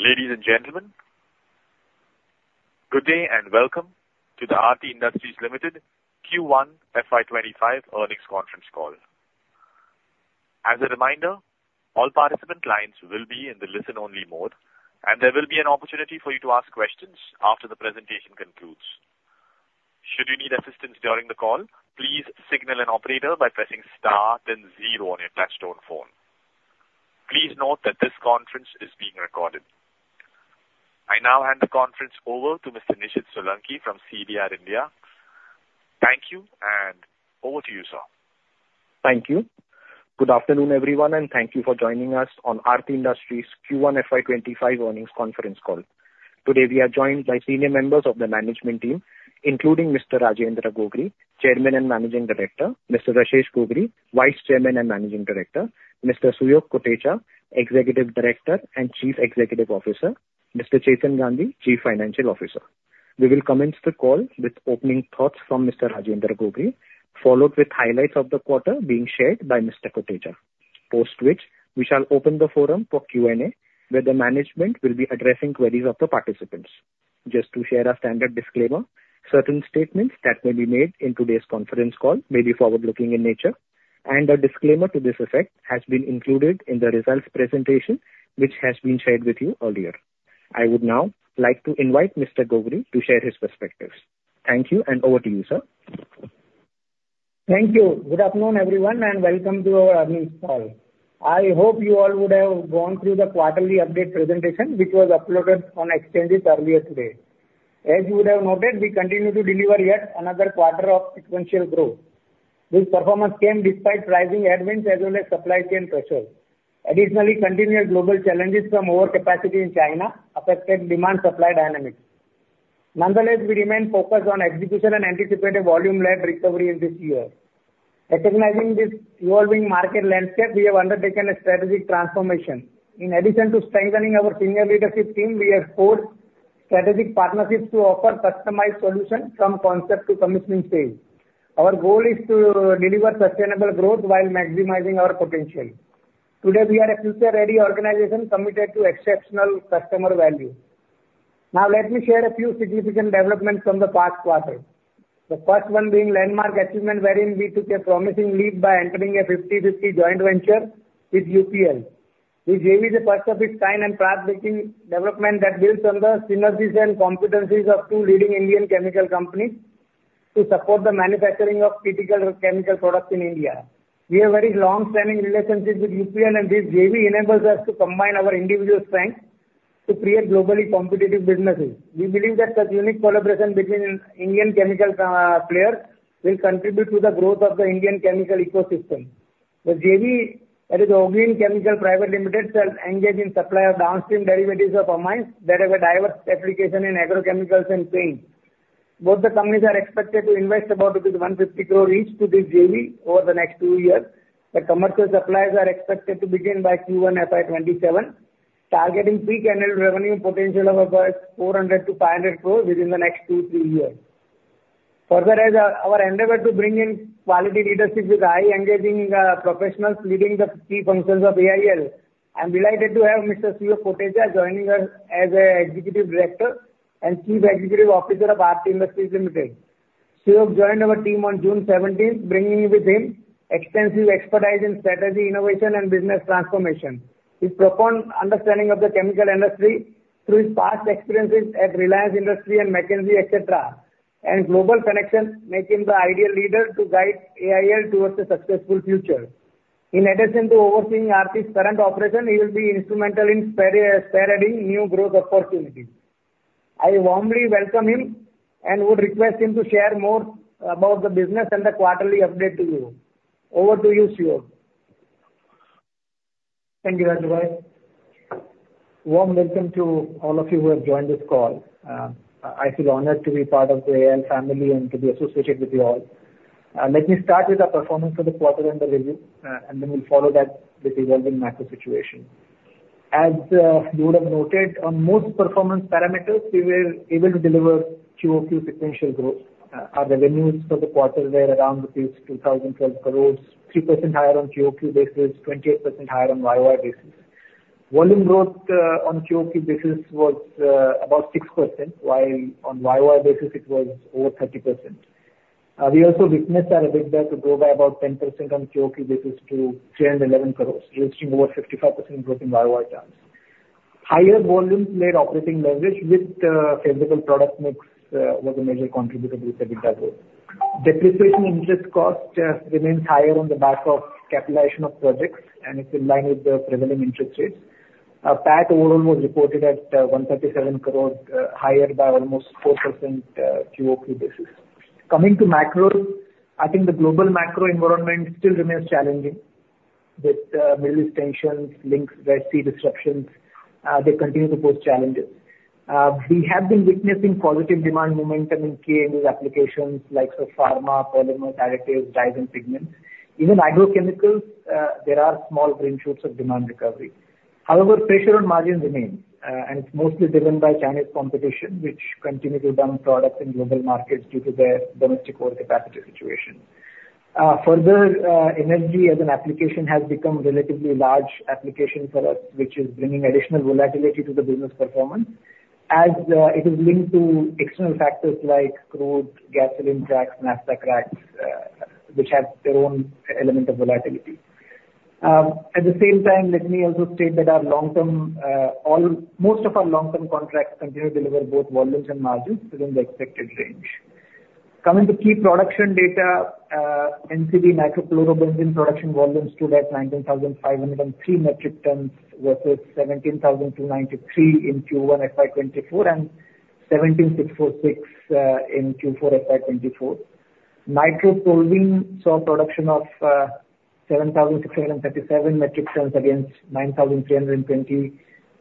Ladies and gentlemen, good day, and welcome to the Aarti Industries Limited Q1 FY25 earnings conference call. As a reminder, all participant lines will be in the listen-only mode, and there will be an opportunity for you to ask questions after the presentation concludes. Should you need assistance during the call, please signal an operator by pressing star then zero on your touchtone phone. Please note that this conference is being recorded. I now hand the conference over to Mr. Nishit Solanki from CDR India. Thank you, and over to you, sir. Thank you. Good afternoon, everyone, and thank you for joining us on Aarti Industries Q1 FY25 earnings conference call. Today, we are joined by senior members of the management team, including Mr. Rajendra Gogri, Chairman and Managing Director. Mr. Rashesh Gogri, Vice Chairman and Managing Director. Mr. Suyog Kotecha, Executive Director and Chief Executive Officer. Mr. Chetan Gandhi, Chief Financial Officer. We will commence the call with opening thoughts from Mr. Rajendra Gogri, followed with highlights of the quarter being shared by Mr. Kotecha. Post which, we shall open the forum for Q&A, where the management will be addressing queries of the participants. Just to share our standard disclaimer, certain statements that may be made in today's conference call may be forward-looking in nature, and a disclaimer to this effect has been included in the results presentation, which has been shared with you earlier. I would now like to invite Mr. Gogri to share his perspectives. Thank you, and over to you, sir. Thank you. Good afternoon, everyone, and welcome to our earnings call. I hope you all would have gone through the quarterly update presentation, which was uploaded on Exchange earlier today. As you would have noted, we continue to deliver yet another quarter of sequential growth. This performance came despite rising RMs as well as supply chain pressures. Additionally, continued global challenges from overcapacity in China affected demand-supply dynamics. Nonetheless, we remain focused on execution and anticipate a volume-led recovery in this year. Recognizing this evolving market landscape, we have undertaken a strategic transformation. In addition to strengthening our senior leadership team, we have forged strategic partnerships to offer customized solutions from concept to commissioning sales. Our goal is to deliver sustainable growth while maximizing our potential. Today, we are a future-ready organization committed to exceptional customer value. Now, let me share a few significant developments from the past quarter. The first one being landmark achievement, wherein we took a promising lead by entering a 50/50 joint venture with UPL. This JV is a first of its kind and pathbreaking development that builds on the synergies and competencies of two leading Indian chemical companies to support the manufacturing of critical chemical products in India. We have very long-standing relationships with UPL, and this JV enables us to combine our individual strengths to create globally competitive businesses. We believe that the unique collaboration between Indian chemical players will contribute to the growth of the Indian chemical ecosystem. The JV, that is Augene Chemical Private Limited, shall engage in supply of downstream derivatives of amines that have a diverse application in agrochemicals and paints. Both the companies are expected to invest about rupees 150 crore each to this JV over the next two years. The commercial supplies are expected to begin by Q1 FY 2027, targeting peak annual revenue potential of about 400-500 crores within the next 2-3 years. Further, as our endeavor to bring in quality leadership with high engaging professionals leading the key functions of AIL, I'm delighted to have Mr. Suyog Kotecha joining us as an Executive Director and Chief Executive Officer of Aarti Industries Limited. Suyog joined our team on June seventeenth, bringing with him extensive expertise in strategy, innovation, and business transformation. His profound understanding of the chemical industry through his past experiences at Reliance Industries and McKinsey, et cetera, and global connections, make him the ideal leader to guide AIL towards a successful future. In addition to overseeing Aarti's current operation, he will be instrumental in sparking new growth opportunities. I warmly welcome him and would request him to share more about the business and the quarterly update to you. Over to you, Suyog. Thank you, Rajendra. Warm welcome to all of you who have joined this call. I feel honored to be part of the AIL family and to be associated with you all. Let me start with the performance for the quarter and the review, and then we'll follow that with the evolving macro situation. As you would have noted, on most performance parameters, we were able to deliver QoQ sequential growth. Our revenues for the quarter were around rupees 2,012 crore, 3% higher on QoQ basis, 28% higher on YoY basis. Volume growth on QoQ basis was about 6%, while on YoY basis it was over 30%. We also witnessed our EBITDA to grow by about 10% on QoQ basis to 311 crore, registering over 55% growth in YoY terms. Higher volumes led operating leverage with favorable product mix was a major contributor to EBITDA growth. Depreciation, interest cost remains higher on the back of capitalization of projects, and it's in line with the prevailing interest rates. Our PAT overall was reported at 137 crore, higher by almost 4%, QoQ basis. Coming to macros, I think the global macro environment still remains challenging with lingering Middle East tensions, Red Sea disruptions, they continue to pose challenges. We have been witnessing positive demand momentum in key end-use applications like pharma, polymer, additives, dyes, and pigments. Even agrochemicals, there are small green shoots of demand recovery. However, pressure on margins remain, and it's mostly driven by Chinese competition, which continue to dump products in global markets due to their domestic overcapacity situation.... Further, energy as an application has become relatively large application for us, which is bringing additional volatility to the business performance, as it is linked to external factors like crude, gasoline cracks, naphtha cracks, which have their own element of volatility. At the same time, let me also state that our long-term, most of our long-term contracts continue to deliver both volumes and margins within the expected range. Coming to key production data, NCB, nitrochlorobenzene production volumes stood at 19,503 metric tons versus 17,293 in Q1 FY 2024 and 17,646 in Q4 FY 2024. Nitrotoluene saw production of 7,637 metric tons against 9,320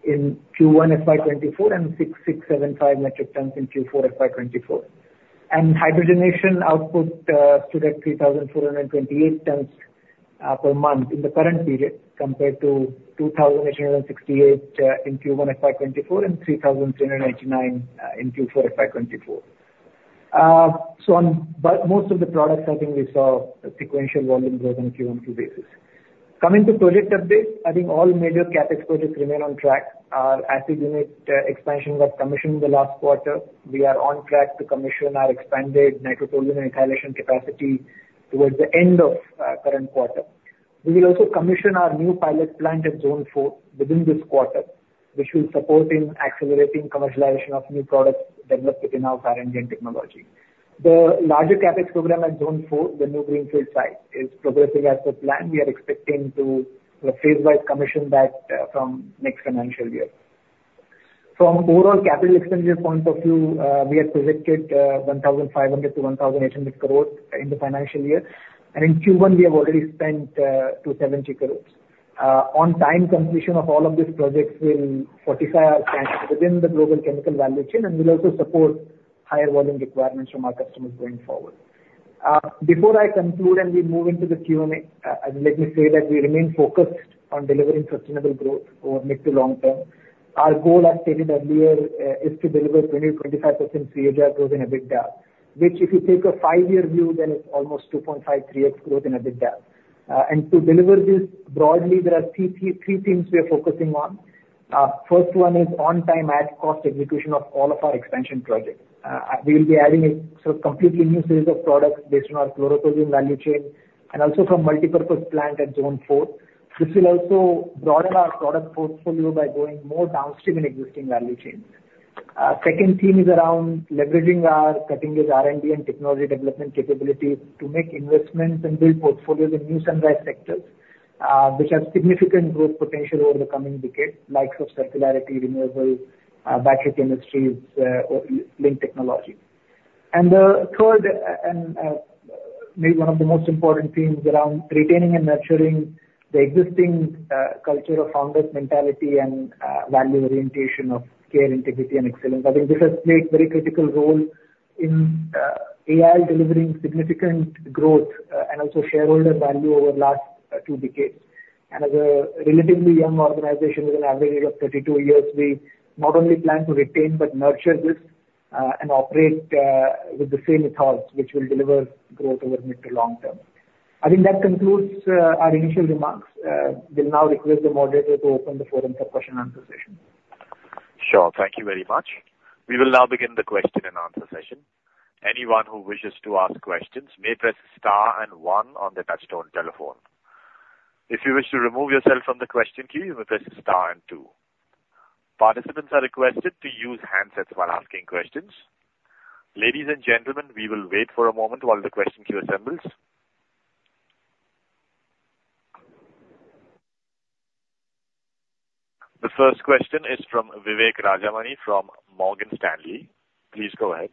in Q1 FY 2024 and 6,675 metric tons in Q4 FY 2024. And hydrogenation output stood at 3,428 tons per month in the current period, compared to 2,868 in Q1 FY 2024 and 3,399 in Q4 FY 2024. But most of the products, I think we saw a sequential volume growth on Q1, Q2 basis. Coming to project updates, I think all major CapEx projects remain on track. Our acid unit expansion was commissioned in the last quarter. We are on track to commission our expanded Nitrotoluene installation capacity towards the end of current quarter. We will also commission our new pilot plant at Zone 4 within this quarter, which will support in accelerating commercialization of new products developed within our R&D and technology. The larger CapEx program at Zone 4, the new greenfield site, is progressing as per plan. We are expecting to phase-wide commission that from next financial year. From overall capital expenditure point of view, we had projected 1,500 crores-1,800 crores in the financial year, and in Q1 we have already spent 270 crores. On time completion of all of these projects will fortify our strength within the global chemical value chain, and will also support higher volume requirements from our customers going forward. Before I conclude and we move into the Q&A, let me say that we remain focused on delivering sustainable growth over mid to long term. Our goal, as stated earlier, is to deliver 20%-25% CAGR growth in EBITDA, which, if you take a five-year view, then it's almost 2.5-3x growth in EBITDA. And to deliver this broadly, there are three themes we are focusing on. First one is on time at cost execution of all of our expansion projects. We will be adding a sort of completely new series of products based on our chlorotoluene value chain and also from multipurpose plant at Zone 4. This will also broaden our product portfolio by going more downstream in existing value chains. Second theme is around leveraging our cutting-edge R&D and technology development capabilities to make investments and build portfolios in new sunrise sectors, which have significant growth potential over the coming decades, likes of circularity, renewables, battery industries, Li-ion technology. And the third, and, maybe one of the most important themes around retaining and nurturing the existing culture of founders' mentality and value orientation of care, integrity and excellence. I think this has played a very critical role in AI delivering significant growth and also shareholder value over the last two decades. And as a relatively young organization, with an average age of 32 years, we not only plan to retain but nurture this and operate with the same ethos which will deliver growth over mid to long term. I think that concludes our initial remarks. We'll now request the moderator to open the forum for question and answer session. Sure. Thank you very much. We will now begin the question and answer session. Anyone who wishes to ask questions may press star and one on their touchtone telephone. If you wish to remove yourself from the question queue, you may press star and two. Participants are requested to use handsets while asking questions. Ladies and gentlemen, we will wait for a moment while the question queue assembles. The first question is from Vivek Rajamani from Morgan Stanley. Please go ahead.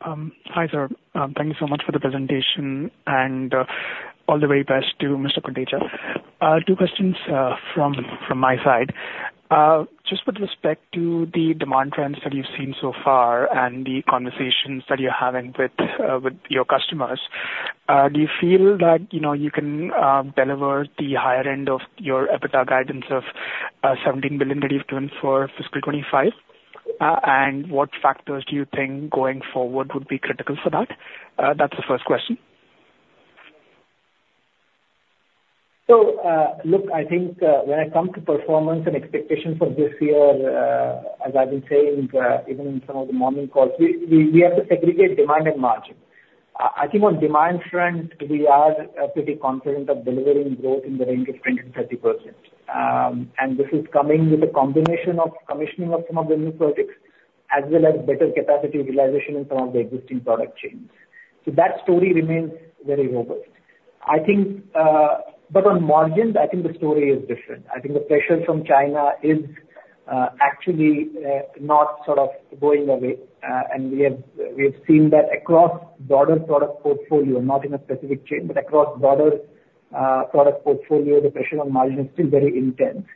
Hi, sir, thank you so much for the presentation and all the very best to Mr. Kotecha. Two questions from my side. Just with respect to the demand trends that you've seen so far and the conversations that you're having with your customers, do you feel that, you know, you can deliver the higher end of your EBITDA guidance of 17 billion that you've given for fiscal 2025? And what factors do you think going forward would be critical for that? That's the first question. So, look, I think, when it comes to performance and expectations for this year, as I've been saying, even in some of the morning calls, we have to segregate demand and margin. I think on demand front, we are pretty confident of delivering growth in the range of 20%-30%. And this is coming with a combination of commissioning of some of the new projects, as well as better capacity realization in some of the existing product chains. So that story remains very robust. I think, but on margins, I think the story is different. I think the pressure from China is actually not sort of going away. And we have, we have seen that across broader product portfolio, not in a specific chain, but across broader, product portfolio, the pressure on margin is still very intense.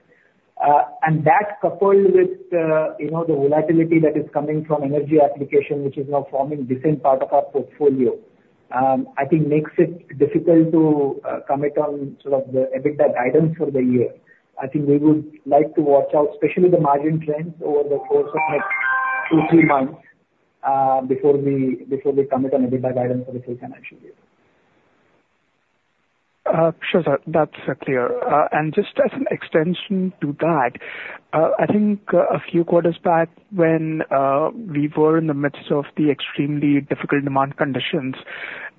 And that coupled with, you know, the volatility that is coming from energy application, which is now forming different part of our portfolio. I think makes it difficult to, commit on sort of the, EBITDA guidance for the year. I think we would like to watch out, especially the margin trends over the course of next two, three months, before we, before we commit on EBITDA guidance for the full financial year. Sure, sir, that's clear. And just as an extension to that, I think a few quarters back when we were in the midst of the extremely difficult demand conditions,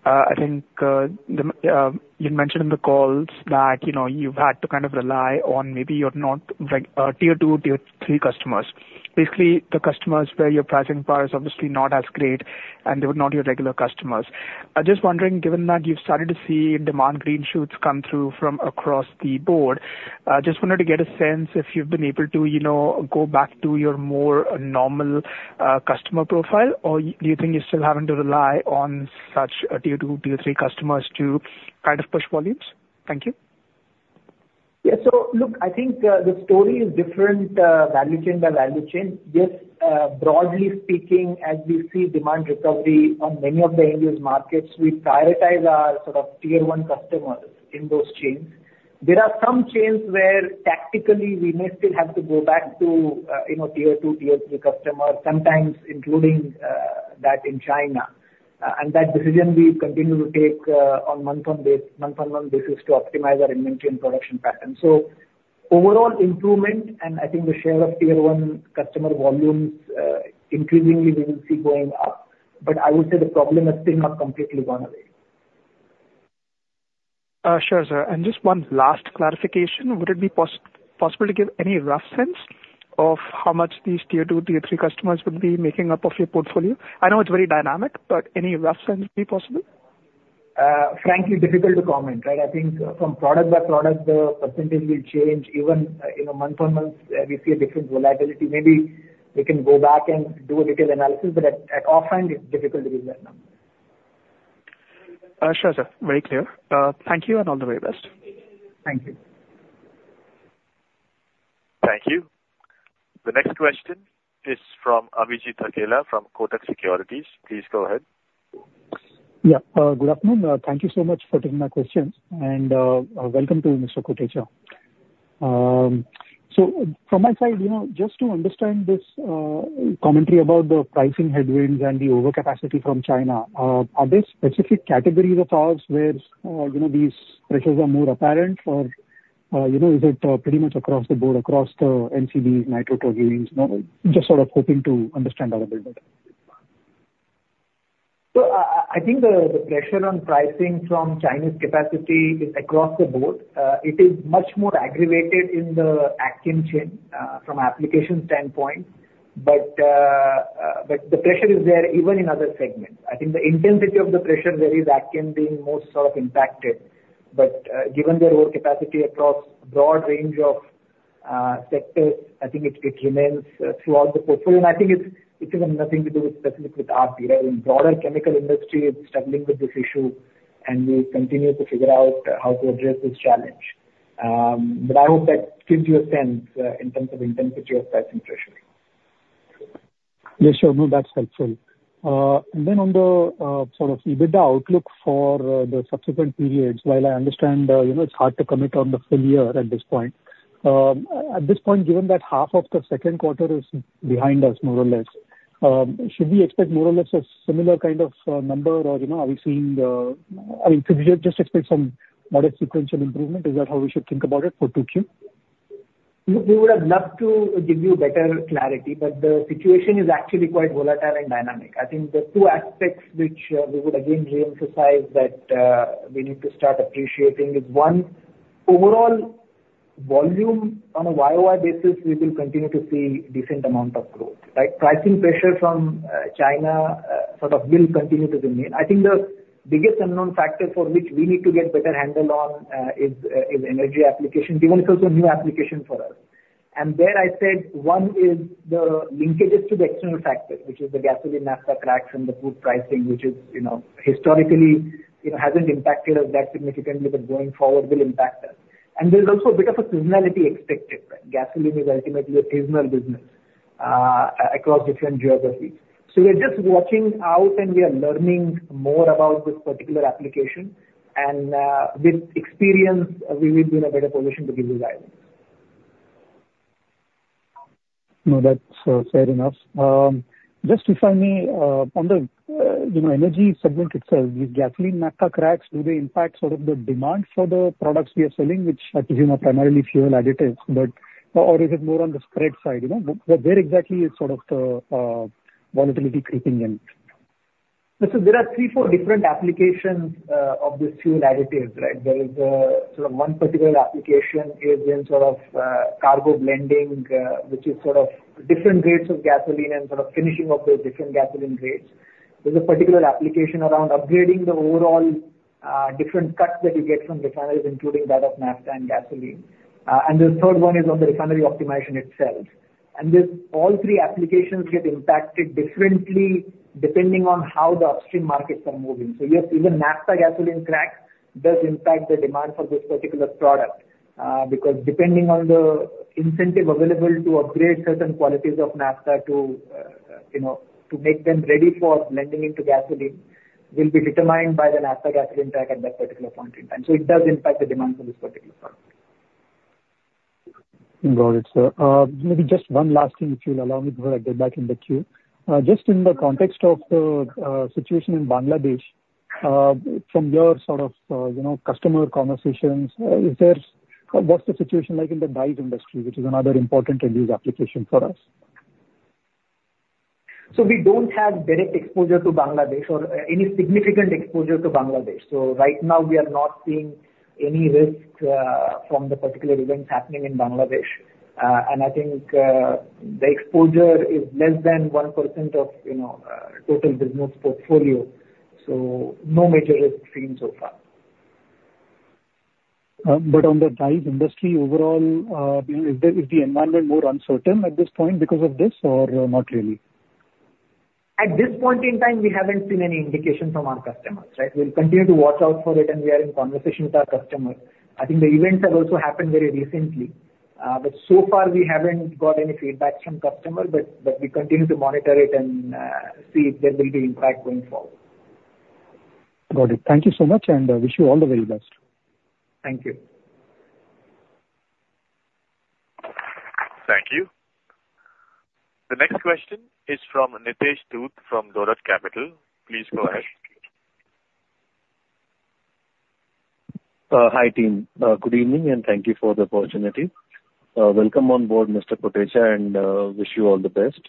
I think you mentioned in the calls that, you know, you've had to kind of rely on maybe your not like Tier 2, Tier 3 customers. Basically, the customers where your pricing power is obviously not as great, and they were not your regular customers. I just wondering, given that you've started to see demand green shoots come through from across the board, I just wanted to get a sense if you've been able to, you know, go back to your more normal customer profile, or do you think you're still having to rely on such a Tier 2, Tier 3 customers to kind of push volumes? Thank you. Yeah. So look, I think the story is different, value chain by value chain. Yes, broadly speaking, as we see demand recovery on many of the end-user markets, we prioritize our sort of Tier 1 customers in those chains. There are some chains where tactically we may still have to go back to, you know, Tier 2, Tier 3 customers, sometimes including that in China. And that decision we continue to take on month-on-month basis to optimize our inventory and production pattern. So overall improvement, and I think the share of Tier 1 customer volumes increasingly we will see going up, but I would say the problem has still not completely gone away. Sure, sir. And just one last clarification. Would it be possible to give any rough sense of how much these Tier 2, Tier 3 customers would be making up of your portfolio? I know it's very dynamic, but any rough sense be possible? Frankly, difficult to comment, right? I think from product by product, the percentage will change even, you know, month on month, we see a different volatility. Maybe we can go back and do a detailed analysis, but at offhand, it's difficult to give that number. Sure, sir. Very clear. Thank you and all the very best. Thank you. Thank you. The next question is from Abhijit Akella, from Kotak Securities. Please go ahead. Yeah. Good afternoon. Thank you so much for taking my questions, and welcome to you, Mr. Kotecha. So from my side, you know, just to understand this commentary about the pricing headwinds and the overcapacity from China, are there specific categories of ours where, you know, these pressures are more apparent, or, you know, is it pretty much across the board, across the NCB, nitro toluenes? No, just sort of hoping to understand a little bit better. So I think the pressure on pricing from Chinese capacity is across the board. It is much more aggravated in the aniline chain from application standpoint. But but the pressure is there even in other segments. I think the intensity of the pressure there is aniline being most sort of impacted. But given their overcapacity across a broad range of sectors, I think it remains throughout the portfolio. And I think it has nothing to do with specifically with our peer. In broader chemical industry, it's struggling with this issue, and we continue to figure out how to address this challenge. But I hope that gives you a sense in terms of the intensity of pricing pressure. Yes, sure. No, that's helpful. And then on the, sort of EBITDA outlook for the subsequent periods, while I understand, you know, it's hard to commit on the full year at this point. At this point, given that half of the second quarter is behind us, more or less, should we expect more or less a similar kind of number, or, you know, are we seeing, I mean, should we just expect some modest sequential improvement? Is that how we should think about it for 2Q? We would have loved to give you better clarity, but the situation is actually quite volatile and dynamic. I think the two aspects which, we would again reemphasize that, we need to start appreciating is, one, overall volume on a YoY basis, we will continue to see decent amount of growth, right? Pricing pressure from, China, sort of will continue to remain. I think the biggest unknown factor for which we need to get better handle on, is, is energy application, given it's also a new application for us. And there I said one is the linkages to the external factors, which is the gasoline, naphtha, cracks, and the good pricing, which is, you know, historically, you know, hasn't impacted us that significantly, but going forward will impact us. And there's also a bit of a seasonality expected, right? Gasoline is ultimately a seasonal business across different geographies. So we are just watching out, and we are learning more about this particular application. And with experience, we will be in a better position to give you guidance. No, that's fair enough. Just to finally, on the, you know, energy segment itself, with gasoline, naphtha, cracks, do they impact sort of the demand for the products we are selling, which are, you know, primarily fuel additives, but... Or is it more on the spread side, you know? Where, where exactly is sort of the, volatility creeping in? So there are three, four different applications of these fuel additives, right? There is sort of one particular application in sort of cargo blending, which is sort of different grades of gasoline and sort of finishing up the different gasoline grades. There's a particular application around upgrading the overall different cuts that you get from refineries, including that of naphtha and gasoline. And the third one is on the refinery optimization itself. And this, all three applications get impacted differently depending on how the upstream markets are moving. So, yes, even naphtha gasoline cracks does impact the demand for this particular product, because depending on the incentive available to upgrade certain qualities of naphtha to you know, to make them ready for blending into gasoline, will be determined by the naphtha gasoline crack at that particular point in time. It does impact the demand for this particular product. Got it, sir. Maybe just one last thing, if you'll allow me, before I get back in the queue. Just in the context of the situation in Bangladesh, from your sort of, you know, customer conversations, is there—what's the situation like in the dye industry, which is another important end-use application for us? So we don't have direct exposure to Bangladesh or, any significant exposure to Bangladesh. So right now, we are not seeing any risk, from the particular events happening in Bangladesh. And I think, the exposure is less than 1% of, you know, total business portfolio, so no major risk seen so far. But on the dye industry overall, you know, is the environment more uncertain at this point because of this or not really? At this point in time, we haven't seen any indication from our customers, right? We'll continue to watch out for it, and we are in conversation with our customers. I think the events have also happened very recently, but so far, we haven't got any feedback from customers. But we continue to monitor it and see if there will be impact going forward. Got it. Thank you so much, and wish you all the very best. Thank you. Thank you. The next question is from Nitesh Dhoot from Dolat Capital. Please go ahead. Hi, team. Good evening, and thank you for the opportunity. Welcome on board, Mr. Kotecha, and wish you all the best.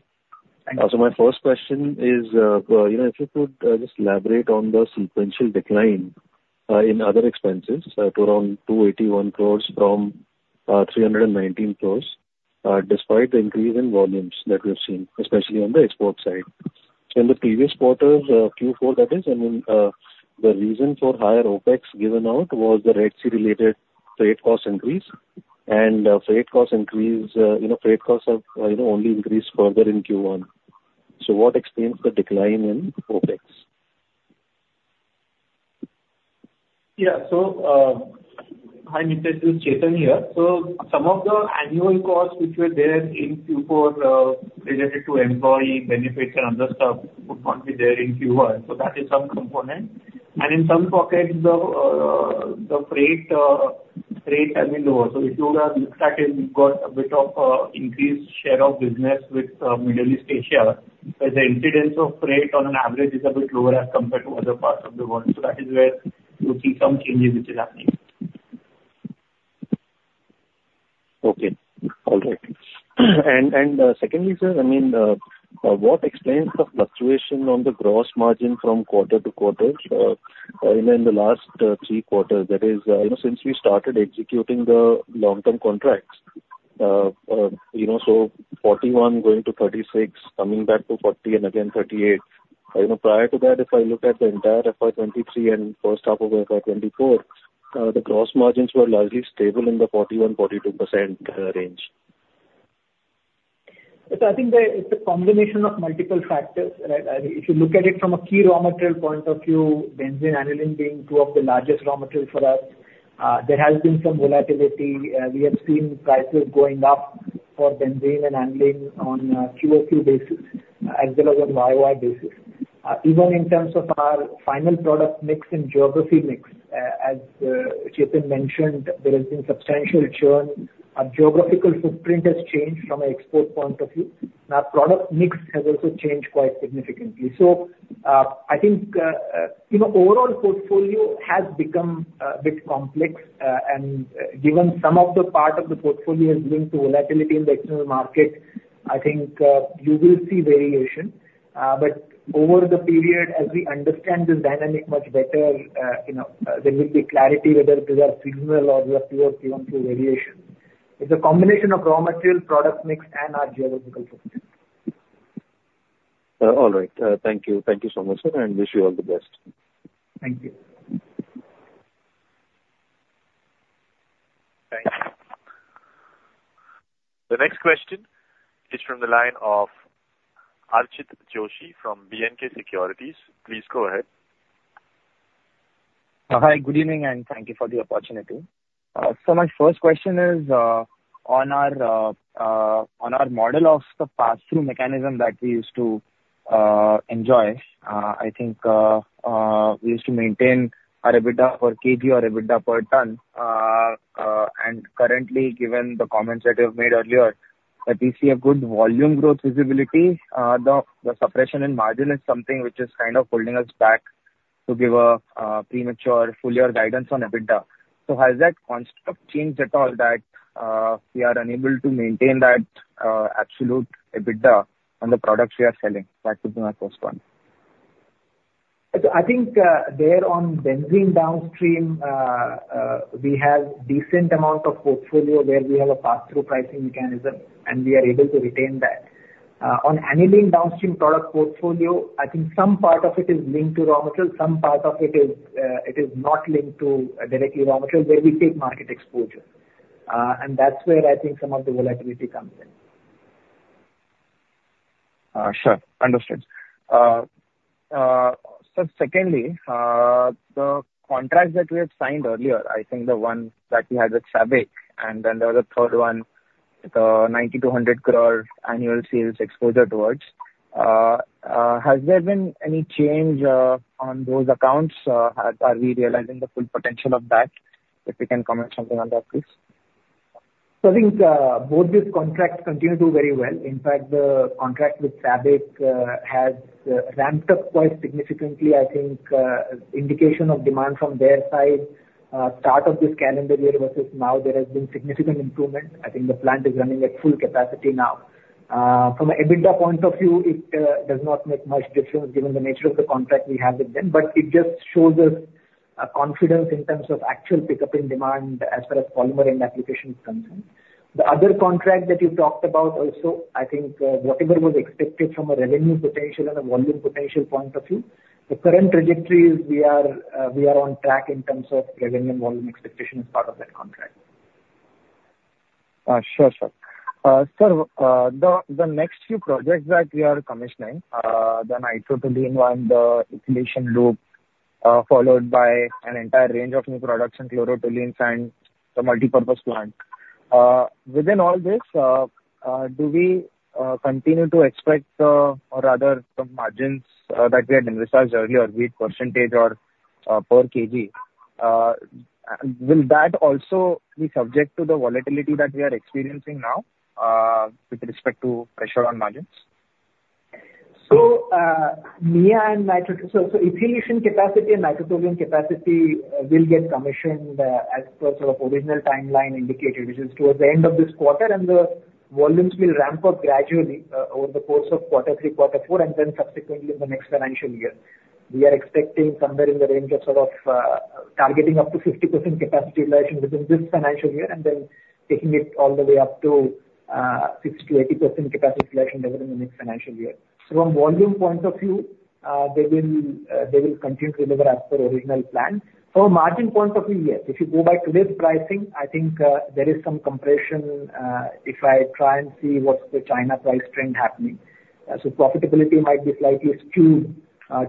Thank you. So my first question is, you know, if you could just elaborate on the sequential decline in other expenses to around 281 crore from 319 crore, despite the increase in volumes that we've seen, especially on the export side. In the previous quarters, Q4, that is, I mean, the reason for higher OpEx given out was the Red Sea related freight cost increase. And, freight cost increase, you know, freight costs have, you know, only increased further in Q1. So what explains the decline in OpEx? Yeah. So, hi, Nitesh, it's Chetan here. So some of the annual costs which were there in Q4, related to employee benefits and other stuff, would not be there in Q1. So that is some component. And in some pockets, the, the freight, freight has been lower. So if you would have looked at it, we've got a bit of, increased share of business with, Middle East Asia, where the incidence of freight on an average is a bit lower as compared to other parts of the world. So that is where you see some changes which is happening. Okay. All right. And secondly, sir, I mean, what explains the fluctuation on the gross margin from quarter to quarter? You know, in the last three quarters, that is, you know, since we started executing the long-term contracts. You know, so 41 going to 36, coming back to 40 and again 38. You know, prior to that, if I look at the entire FY 2023 and first half of FY 2024, the gross margins were largely stable in the 41, 42% range. So I think there it's a combination of multiple factors, right? I mean, if you look at it from a key raw material point of view, benzene, aniline being two of the largest raw materials for us, there has been some volatility. We have seen prices going up for benzene and aniline on a QoQ basis, as well as on YoY basis. Even in terms of our final product mix and geography mix, as Chetan mentioned, there has been substantial churn. Our geographical footprint has changed from an export point of view, and our product mix has also changed quite significantly. So, I think, you know, overall portfolio has become a bit complex. And, given some of the part of the portfolio is linked to volatility in the external market, I think, you will see variation. But over the period, as we understand this dynamic much better, you know, there will be clarity whether these are seasonal or they are QoQ variation. It's a combination of raw material, product mix, and our geographical footprint. All right. Thank you. Thank you so much, sir, and wish you all the best. Thank you. Thanks. The next question is from the line of Archit Joshi from B&K Securities. Please go ahead. Hi, good evening, and thank you for the opportunity. So my first question is on our model of the pass-through mechanism that we used to enjoy. I think we used to maintain our EBITDA per kg, our EBITDA per ton. And currently, given the comments that you have made earlier, that we see a good volume growth visibility, the suppression in margin is something which is kind of holding us back to give a premature full year guidance on EBITDA. So has that construct changed at all, that we are unable to maintain that absolute EBITDA on the products we are selling? That would be my first one. I think, there on benzene downstream, we have decent amount of portfolio where we have a pass-through pricing mechanism, and we are able to retain that. On aniline downstream product portfolio, I think some part of it is linked to raw material, some part of it is, it is not linked to directly raw material, where we take market exposure. And that's where I think some of the volatility comes in.... Sure, understood. So secondly, the contracts that we had signed earlier, I think the one that we had with SABIC, and then the other third one, the 90-100 crore annual sales exposure towards. Has there been any change on those accounts? Are we realizing the full potential of that? If you can comment something on that, please. So I think, both these contracts continue to do very well. In fact, the contract with SABIC, has, ramped up quite significantly. I think, indication of demand from their side, start of this calendar year versus now, there has been significant improvement. I think the plant is running at full capacity now. From an EBITDA point of view, it, does not make much difference given the nature of the contract we have with them, but it just shows us a confidence in terms of actual pickup in demand as far as polymer end application is concerned. The other contract that you talked about also, I think, whatever was expected from a revenue potential and a volume potential point of view, the current trajectories we are, we are on track in terms of revenue and volume expectation as part of that contract. Sure, sure. Sir, the next few projects that we are commissioning, the Nitro Toluene one, the Ethylation loop, followed by an entire range of new products and chlorotoluene and the Multipurpose Plant. Within all this, do we continue to expect, or rather, the margins that we had envisaged earlier, be it percentage or per kg? Will that also be subject to the volatility that we are experiencing now, with respect to pressure on margins? So, Ethylation and Nitro Toluene capacity will get commissioned as per sort of original timeline indicated, which is towards the end of this quarter, and the volumes will ramp up gradually over the course of quarter three, quarter four, and then subsequently in the next financial year. We are expecting somewhere in the range of sort of targeting up to 50% capacity utilization within this financial year, and then taking it all the way up to 60%-80% capacity utilization within the next financial year. So from volume point of view, they will continue to deliver as per original plan. From a margin point of view, yes. If you go by today's pricing, I think there is some compression if I try and see what's the China price trend happening. So profitability might be slightly skewed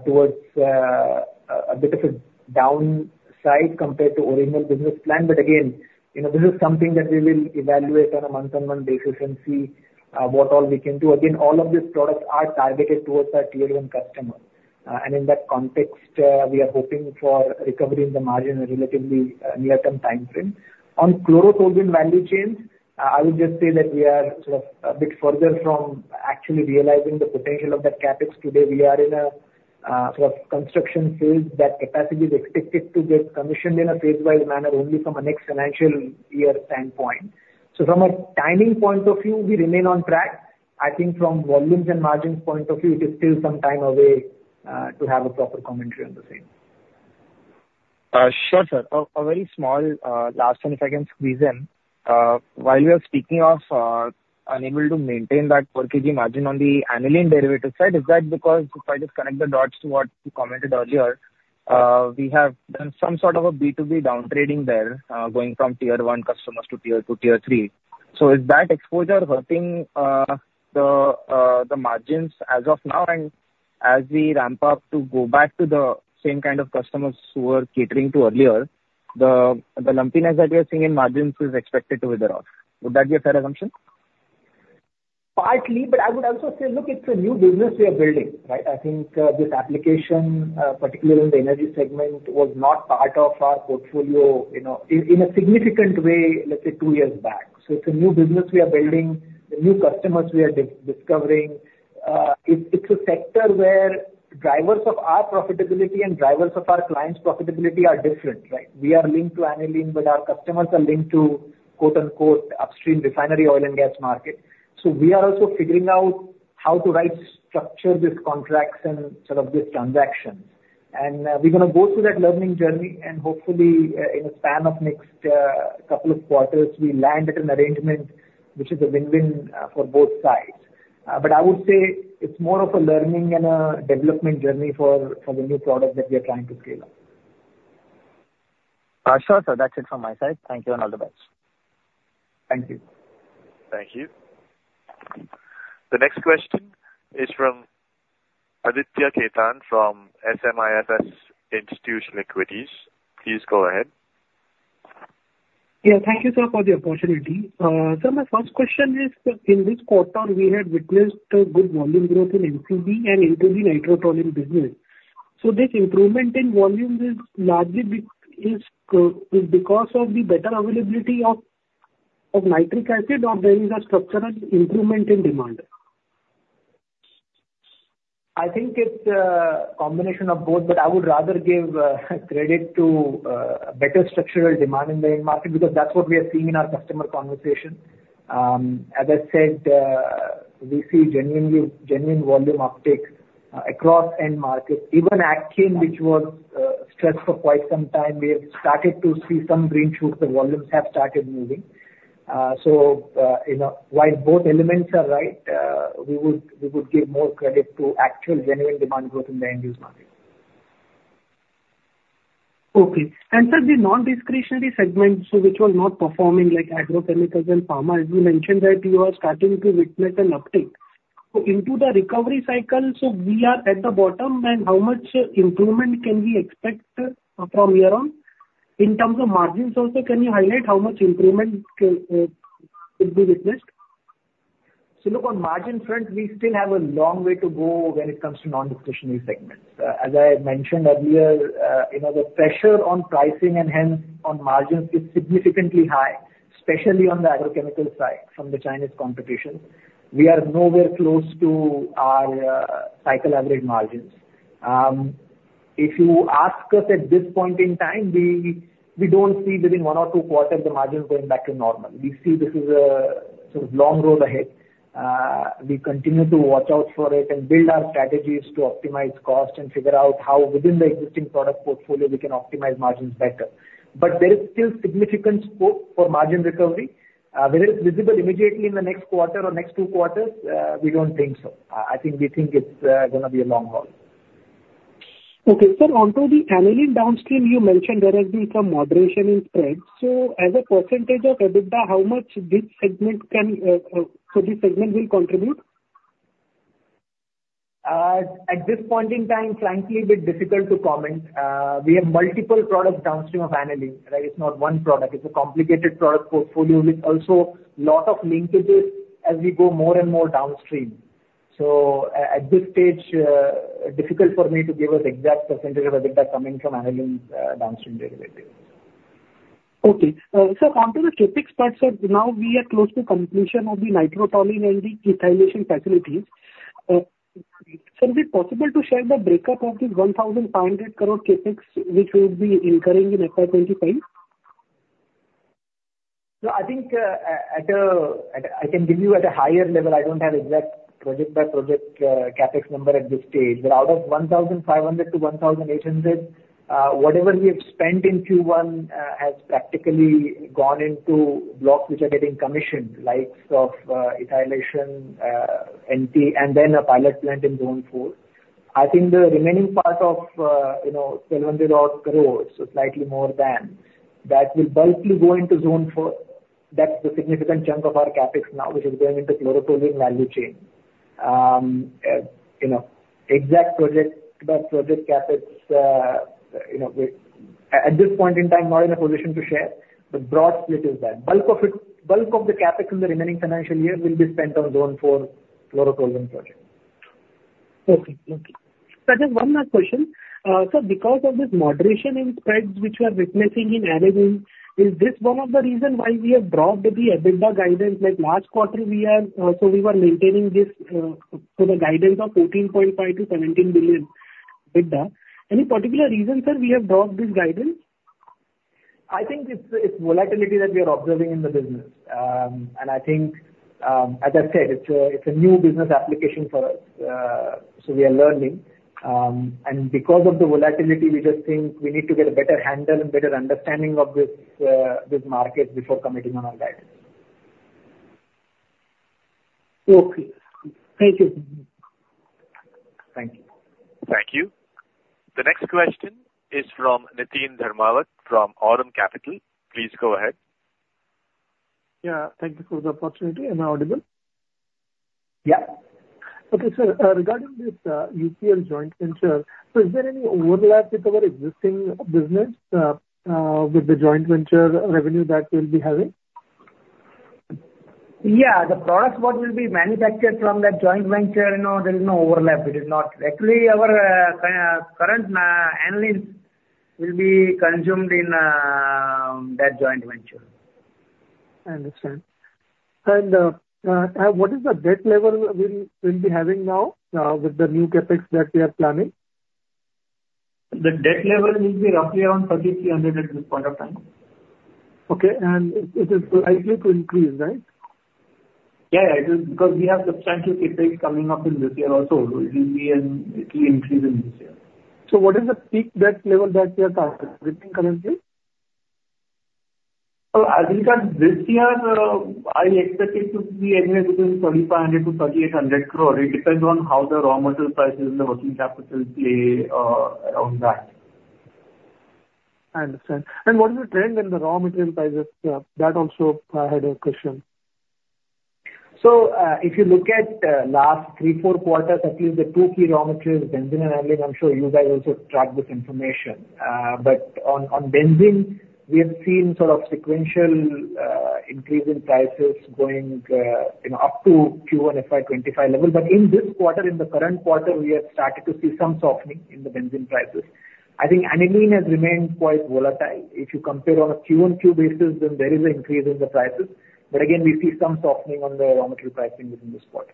towards a bit of a downside compared to original business plan. But again, you know, this is something that we will evaluate on a month-on-month basis and see what all we can do. Again, all of these products are targeted towards our Tier 1 customers. And in that context, we are hoping for recovery in the margin in a relatively near-term timeframe. On Chlorotoluene value chains, I would just say that we are sort of a bit further from actually realizing the potential of that CapEx. Today, we are in a sort of construction phase. That capacity is expected to get commissioned in a phase-wide manner only from a next financial year standpoint. So from a timing point of view, we remain on track. I think from volumes and margins point of view, it is still some time away, to have a proper commentary on the same. Sure, sir. A very small last one, if I can squeeze in. While you are speaking of unable to maintain that per kg margin on the aniline derivative side, is that because if I just connect the dots to what you commented earlier, we have done some sort of a B2B downtrading there, going from tier one customers to tier two, tier three. So is that exposure hurting the margins as of now? And as we ramp up to go back to the same kind of customers who were catering to earlier, the lumpiness that we are seeing in margins is expected to wither off. Would that be a fair assumption? Partly, but I would also say, look, it's a new business we are building, right? I think, this application, particularly in the energy segment, was not part of our portfolio, you know, in a significant way, let's say, two years back. So it's a new business we are building, the new customers we are discovering. It's a sector where drivers of our profitability and drivers of our clients' profitability are different, right? We are linked to aniline, but our customers are linked to, quote-unquote, upstream refinery, oil and gas market. So we are also figuring out how to right structure these contracts and sort of these transactions. And, we're gonna go through that learning journey and hopefully, in a span of next couple of quarters, we land at an arrangement which is a win-win, for both sides. But I would say it's more of a learning and a development journey for the new product that we are trying to scale up. Sure, sir. That's it from my side. Thank you, and all the best. Thank you. Thank you. The next question is from Aditya Khetan, from SMIFS Institutional Equities. Please go ahead. Yeah, thank you, sir, for the opportunity. Sir, my first question is, in this quarter, we had witnessed a good volume growth in MTD and MTD Nitro Toluene business. So this improvement in volume is largely because of the better availability of nitric acid, or there is a structural improvement in demand? I think it's a combination of both, but I would rather give credit to better structural demand in the end market, because that's what we are seeing in our customer conversation. As I said, we see genuine volume uptake across end markets. Even Agchem, which was stressed for quite some time, we have started to see some green shoots. The volumes have started moving. So, you know, while both elements are right, we would give more credit to actual genuine demand growth in the end-use market.... Okay. And sir, the non-discretionary segments, so which were not performing like agrochemicals and pharma, as you mentioned that you are starting to witness an uptick. So into the recovery cycle, so we are at the bottom, and how much improvement can we expect from here on? In terms of margins also, can you highlight how much improvement could be witnessed? So look, on margin front, we still have a long way to go when it comes to non-discretionary segments. As I mentioned earlier, you know, the pressure on pricing and hence on margins is significantly high, especially on the agrochemical side from the Chinese competition. We are nowhere close to our cycle average margins. If you ask us at this point in time, we don't see within 1 or 2 quarters the margins going back to normal. We see this is a sort of long road ahead. We continue to watch out for it and build our strategies to optimize cost and figure out how within the existing product portfolio we can optimize margins better. But there is still significant scope for margin recovery. Whether it's visible immediately in the next quarter or next 2 quarters, we don't think so. I think we think it's gonna be a long haul. Okay, sir, onto the aniline downstream, you mentioned there has been some moderation in spreads. So as a percentage of EBITDA, how much this segment can, so this segment will contribute? At this point in time, frankly, a bit difficult to comment. We have multiple products downstream of aniline, right? It's not one product. It's a complicated product portfolio with also lot of linkages as we go more and more downstream. So at this stage, difficult for me to give an exact percentage of EBITDA coming from aniline, downstream derivatives. Okay. Sir, onto the CapEx part, sir, now we are close to completion of the nitro toluene and the ethylation facilities. Sir, is it possible to share the breakup of the 1,500 crore CapEx which you will be incurring in FY25? No, I think at a higher level, I can give you at a higher level. I don't have exact project-by-project CapEx number at this stage. But out of 1,500-1,800, whatever we have spent in Q1 has practically gone into blocks which are getting commissioned, likes of ethylation, NT, and then a pilot plant in Zone 4. I think the remaining part of, you know, 1,200-odd crores, so slightly more than that will bulkily go into Zone 4. That's the significant chunk of our CapEx now, which is going into chloralkali value chain. You know, exact project-by-project CapEx, you know, we at this point in time not in a position to share, but broad split is that. Bulk of it, bulk of the CapEx in the remaining financial year will be spent on Zone 4 chloralkali project. Okay. Okay. Sir, just one last question. Sir, because of this moderation in spreads which we are witnessing in aniline, is this one of the reason why we have dropped the EBITDA guidance? Like last quarter we are, so we were maintaining this, so the guidance of 14.5 billion-17 billion EBITDA. Any particular reason, sir, we have dropped this guidance? I think it's volatility that we are observing in the business. And I think, as I said, it's a new business application for us, so we are learning. And because of the volatility, we just think we need to get a better handle and better understanding of this market before committing on our guidance. Okay. Thank you. Thank you. Thank you. The next question is from Nitin Dharmavat from Aurum Capital. Please go ahead. Yeah, thank you for the opportunity. Am I audible? Yeah. Okay, sir, regarding this UPL joint venture, so is there any overlap with our existing business, with the joint venture revenue that we'll be having? Yeah, the products what will be manufactured from that joint venture, you know, there is no overlap. It is not... Actually, our current aniline will be consumed in that joint venture. I understand. What is the debt level we'll be having now, with the new CapEx that we are planning? The debt level will be roughly around 3,300 at this point of time. Okay, and it is likely to increase, right? Yeah, it is, because we have substantial CapEx coming up in this year also. It will be. It will increase in this year. What is the peak debt level that we are targeting currently? I think that this year, I expect it to be anywhere between 4,500 crore-3,800 crore. It depends on how the raw material prices and the working capital play around that. I understand. And what is the trend in the raw material prices? That also I had a question. So, if you look at last three, four quarters, at least the two key raw materials, benzene and aniline, I'm sure you guys also track this information. But on benzene, we have seen sort of sequential increase in prices going, you know, up to Q1 FY25 level. But in this quarter, in the current quarter, we have started to see some softening in the benzene prices. I think aniline has remained quite volatile. If you compare on a QoQ basis, then there is an increase in the prices. But again, we see some softening on the raw material pricing within this quarter.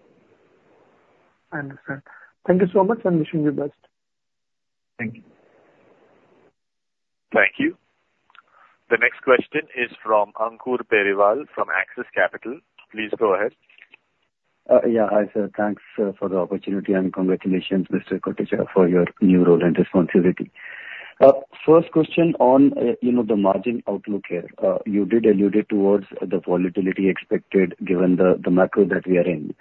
I understand. Thank you so much, and wish you the best. Thank you. Thank you. The next question is from Ankur Periwal, from Axis Capital. Please go ahead. Yeah, hi, sir. Thanks for the opportunity, and congratulations, Mr. Kotecha, for your new role and responsibility. First question on, you know, the margin outlook here. You did allude it towards the volatility expected, given the macro that we are in.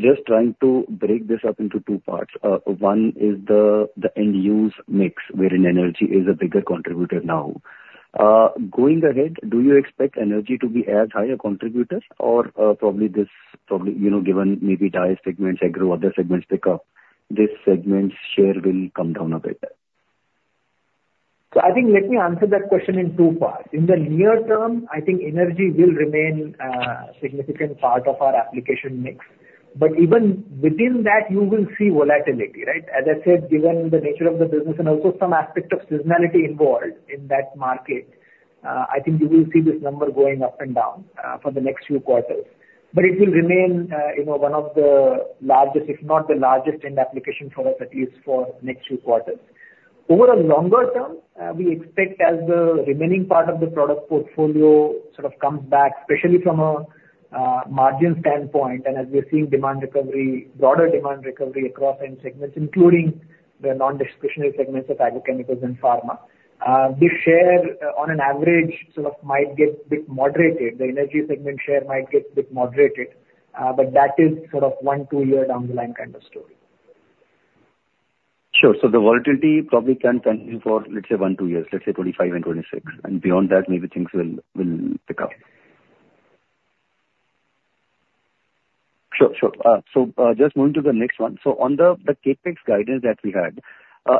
Just trying to break this up into two parts. One is the end use mix, wherein energy is a bigger contributor now. Going ahead, do you expect energy to be as high a contributor or probably this, probably, you know, given maybe dye segments, agro, other segments pick up, this segment's share will come down a bit? So I think, let me answer that question in two parts. In the near term, I think energy will remain, significant part of our application mix, but even within that, you will see volatility, right? As I said, given the nature of the business, and also some aspect of seasonality involved in that market, I think you will see this number going up and down, for the next few quarters. But it will remain, you know, one of the largest, if not the largest end application for us, at least for next few quarters. Over the longer term, we expect as the remaining part of the product portfolio sort of comes back, especially from a, margin standpoint, and as we are seeing demand recovery, broader demand recovery across end segments, including the non-discretionary segments of agrochemicals and pharma. This share, on an average, sort of might get bit moderated. The energy segment share might get bit moderated, but that is sort of 1-2 year down the line kind of story. Sure. So the volatility probably can continue for, let's say, 1-2 years, let's say 2025 and 2026, and beyond that, maybe things will pick up. Sure, sure. So, just moving to the next one. So on the CapEx guidance that we had,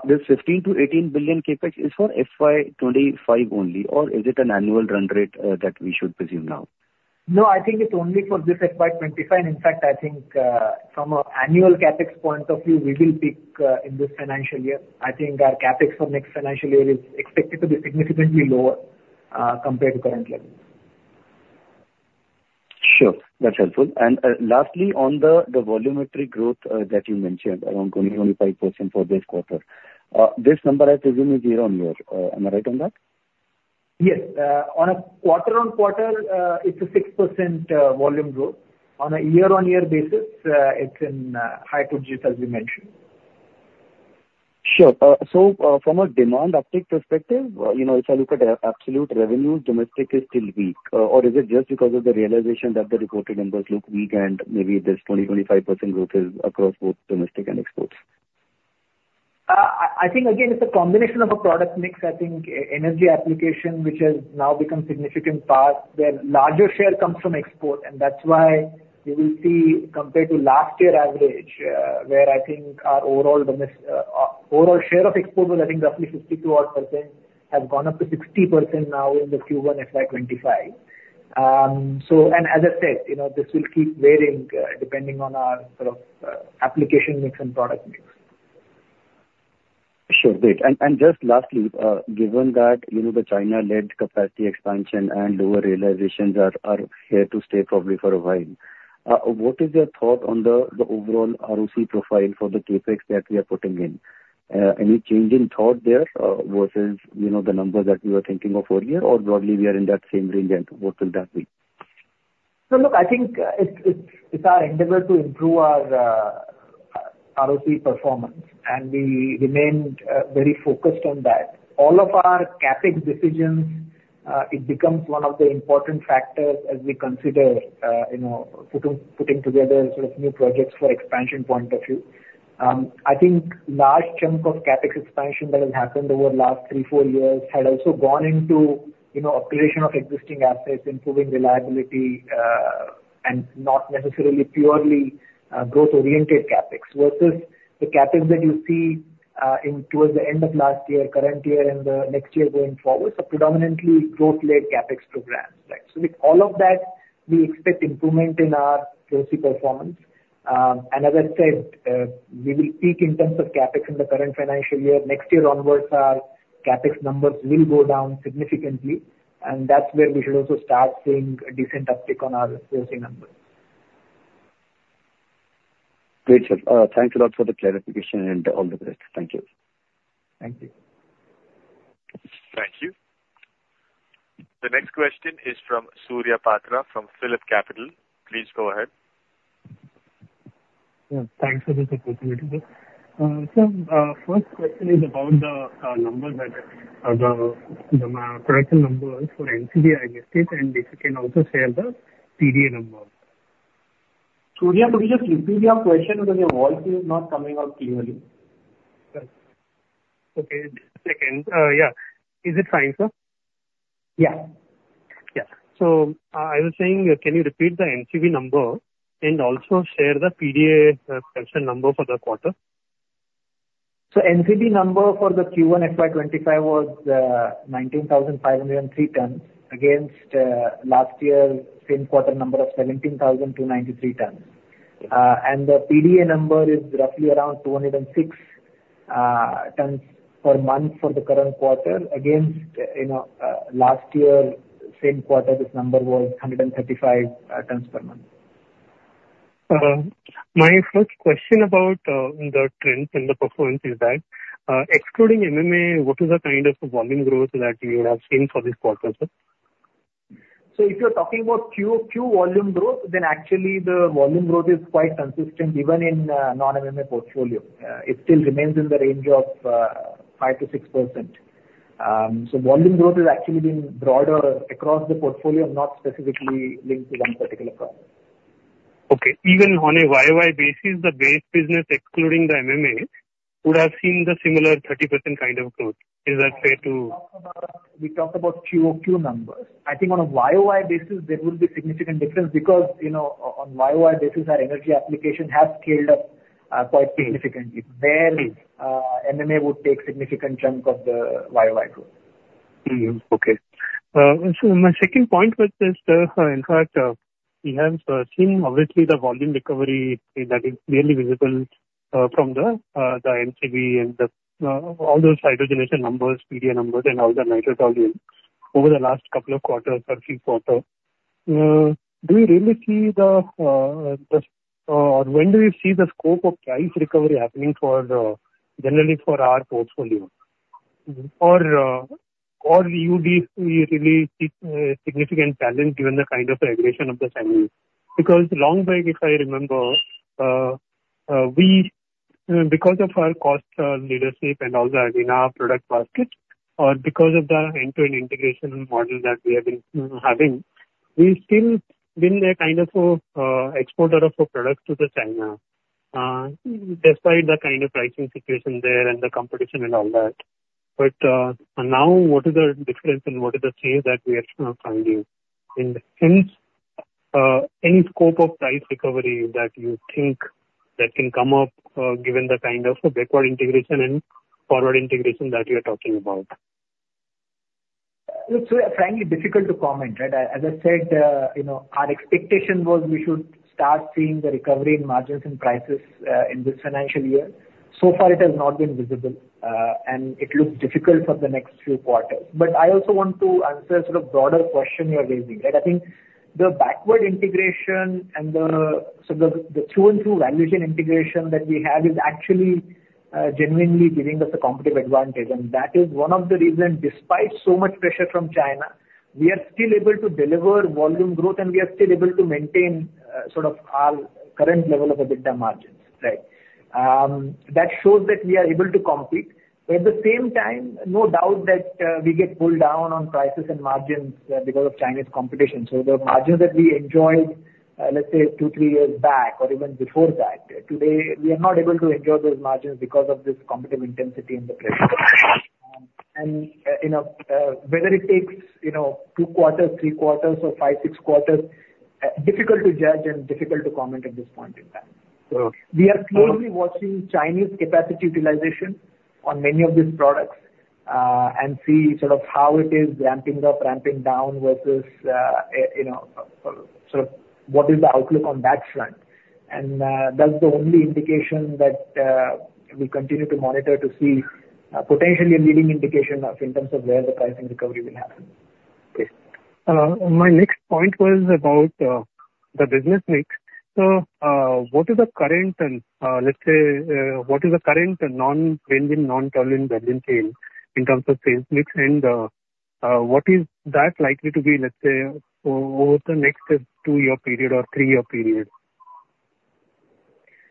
this 15 billion-18 billion CapEx is for FY 2025 only, or is it an annual run rate that we should presume now? No, I think it's only for this FY25. In fact, I think, from an annual CapEx point of view, we will peak in this financial year. I think our CapEx for next financial year is expected to be significantly lower, compared to current level. Sure, that's helpful. And, lastly, on the volumetric growth that you mentioned, around 20%-25% for this quarter, this number I presume is year-on-year. Am I right on that? Yes. On a quarter-on-quarter, it's a 6% volume growth. On a year-on-year basis, it's in high twenties, as we mentioned. Sure. So, from a demand uptick perspective, you know, if I look at absolute revenue, domestic is still weak. Or is it just because of the realization that the reported numbers look weak, and maybe this 25% growth is across both domestic and exports? I think, again, it's a combination of a product mix. I think energy application, which has now become significant part, where larger share comes from export, and that's why you will see compared to last year average, where I think our overall business, overall share of export was I think roughly 52 odd%, has gone up to 60% now in the Q1 FY25. So, and as I said, you know, this will keep varying, depending on our sort of, application mix and product mix. Sure, great. And just lastly, given that, you know, the China-led capacity expansion and lower realizations are here to stay probably for a while, what is your thought on the overall ROC profile for the CapEx that we are putting in? Any change in thought there, versus, you know, the numbers that you were thinking of earlier, or broadly, we are in that same range, and what will that be? So look, I think, it's our endeavor to improve our ROC performance, and we remain very focused on that. All of our CapEx decisions, it becomes one of the important factors as we consider, you know, putting together sort of new projects for expansion point of view. I think large chunk of CapEx expansion that has happened over the last 3, 4 years had also gone into, you know, operation of existing assets, improving reliability, and not necessarily purely growth-oriented CapEx. Versus the CapEx that you see in towards the end of last year, current year, and next year going forward, so predominantly growth-led CapEx programs, right? So with all of that, we expect improvement in our ROC performance. And as I said, we will peak in terms of CapEx in the current financial year. Next year onwards, our CapEx numbers will go down significantly, and that's where we should also start seeing a decent uptick on our ROC numbers. Great, sir. Thanks a lot for the clarification and all the best. Thank you. Thank you. Thank you. The next question is from Surya Patra of PhillipCapital. Please go ahead. Yeah, thanks for this opportunity. So, first question is about the production numbers for NCB, I guess, and if you can also share the PDA number. Surya, could you just repeat your question because your voice is not coming out clearly? Okay, just a second. Yeah. Is it fine, sir? Yeah. Yeah. So, I was saying, can you repeat the NCB number and also share the PDA production number for the quarter? So NCB number for the Q1 FY25 was 19,503 tons, against last year's same quarter number of 17,293 tons. And the PDA number is roughly around 206 tons per month for the current quarter, against you know last year same quarter this number was 135 tons per month. My first question about the trend and the performance is that, excluding MMA, what is the kind of volume growth that you have seen for this quarter, sir? So if you're talking about Q-Q volume growth, then actually the volume growth is quite consistent even in non-MMA portfolio. It still remains in the range of 5%-6%. So volume growth has actually been broader across the portfolio, not specifically linked to one particular product.... Okay, even on a YoY basis, the base business excluding the MMA, would have seen the similar 30% kind of growth. Is that fair to- We talked about QoQ numbers. I think on a YoY basis, there will be significant difference because, you know, on YoY basis, our energy application has scaled up quite significantly. There, MMA would take significant chunk of the YoY growth. Okay. So my second point was just, in fact, we have seen obviously the volume recovery that is clearly visible from the MCV and all those hydrogenation numbers, PDA numbers, and all the nitro volume over the last couple of quarters or three quarters. Do you really see, or when do you see the scope of price recovery happening generally for our portfolio? Or would you really see significant challenge given the kind of aggression of the Chinese? Because long back, if I remember, we, because of our cost leadership and also in our product basket, or because of the end-to-end integration model that we have been having, we've still been a kind of a exporter of a product to the China, despite the kind of pricing situation there and the competition and all that. But, now what is the difference, and what is the change that we are kind of finding? And hence, any scope of price recovery that you think that can come up, given the kind of backward integration and forward integration that you're talking about? It's, frankly, difficult to comment, right? As I said, you know, our expectation was we should start seeing the recovery in margins and prices, in this financial year. So far, it has not been visible, and it looks difficult for the next few quarters. But I also want to answer the broader question you are raising, right? I think the backward integration and the, so the, the through and through value chain integration that we have is actually, genuinely giving us a competitive advantage. And that is one of the reasons, despite so much pressure from China, we are still able to deliver volume growth, and we are still able to maintain, sort of our current level of EBITDA margins, right? That shows that we are able to compete. At the same time, no doubt that, we get pulled down on prices and margins, because of Chinese competition. So the margins that we enjoyed, let's say two, three years back, or even before that, today, we are not able to enjoy those margins because of this competitive intensity in the price. And, you know, whether it takes, you know, two quarters, three quarters or five, six quarters, difficult to judge and difficult to comment at this point in time. Okay. We are closely watching Chinese capacity utilization on many of these products, and see sort of how it is ramping up, ramping down versus, you know, so, sort of what is the outlook on that front. That's the only indication that we continue to monitor to see, potentially a leading indication of, in terms of where the pricing recovery will happen. Yes. My next point was about the business mix. So, what is the current and non-benzene, non-toluene value chain in terms of sales mix? And, what is that likely to be, let's say, over the next two-year period or three-year period?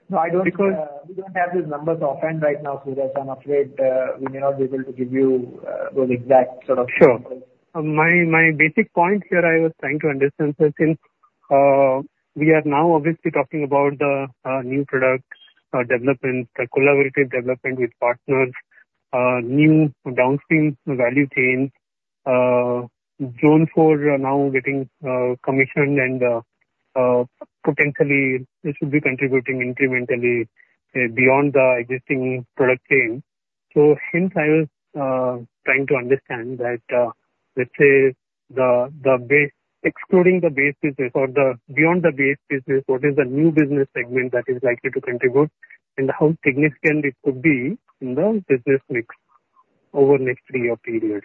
No, I don't- Because- We don't have these numbers offhand right now, Sudhir. I'm afraid, we may not be able to give you, those exact sort of numbers. Sure. My basic point here I was trying to understand is that we are now obviously talking about the new products development, the collaborative development with partners, new downstream value chains. Zone 4 are now getting commissioned, and potentially this should be contributing incrementally beyond the existing product chain. So hence I was trying to understand that, let's say the base... excluding the base business or the beyond the base business, what is the new business segment that is likely to contribute, and how significant it could be in the business mix over the next three-year period?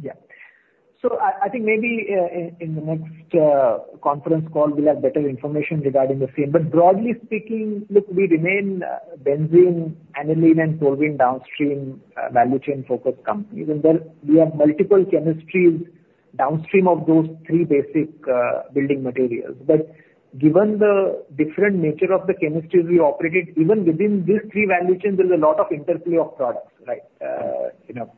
Yeah. So I think maybe in the next conference call, we'll have better information regarding the same. But broadly speaking, look, we remain benzene, aniline, and toluene downstream value chain-focused companies. And there we have multiple chemistries downstream of those three basic building materials. But given the different nature of the chemistries we operated, even within these three value chains, there's a lot of interplay of products, right? You know,